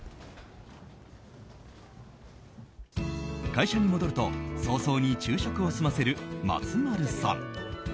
会社に戻ると早々に昼食を済ませる松丸さん。